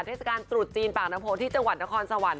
เทศกาลตรุษจีนปากน้ำโพที่จังหวัดนครสวรรค